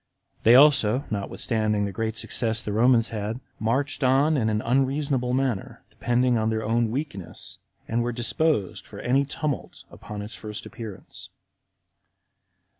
They also, notwithstanding the great success the Romans had, marched on in an unreasonable manner, depending on their own weakness, and were disposed for any tumult upon its first appearance.